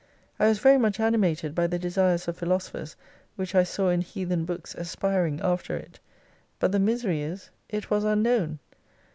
I was very much animated by the desires of philoso phers, which I saw in heathen books aspiring after it. But the misery is // was unknown.